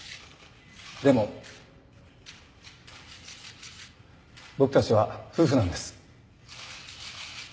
でも僕たちは夫婦なんです。